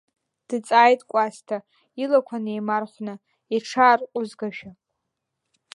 Дҵааит Кәасҭа, илақәа неимархәны, иҽаарҟәызгашәа.